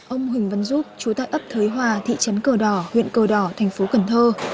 ông huỳnh văn giúp chú tại ấp thới hòa thị trấn cờ đỏ huyện cờ đỏ thành phố cần thơ